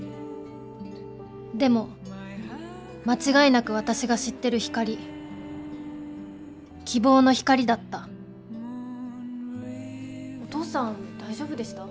でも間違いなく私が知ってる光希望の光だったお父さん大丈夫でした？